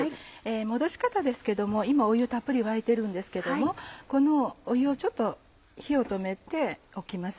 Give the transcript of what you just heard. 戻し方ですけども今湯たっぷり沸いてるんですけどこの湯をちょっと火を止めておきます。